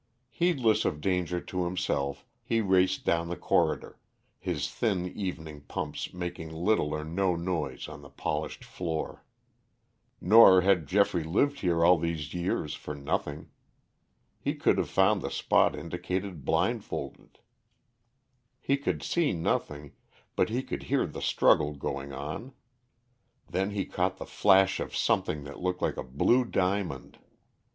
Heedless of danger to himself he raced down the corridor, his thin evening pumps making little or no noise on the polished floor. Nor had Geoffrey lived here all these years for nothing. He could have found the spot indicated blindfolded. He could see nothing, but he could hear the struggle going on; then he caught the flash of something that looked like a blue diamond.